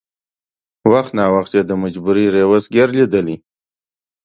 وخت ناوخت یې د مجبورۍ رېورس ګیر لېدلی.